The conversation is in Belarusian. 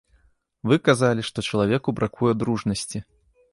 Вы казалі, што чалавеку бракуе дружнасці.